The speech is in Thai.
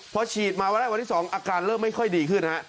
พอฉีดมาวันแรกวันที่๒อาการเริ่มไม่ค่อยดีขึ้นฮะ